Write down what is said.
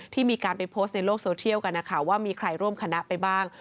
ที่มีการไปโพสต์ในโลกโซเทียลกันนะคะว่ามีใครร่วมคณะไปบ้าง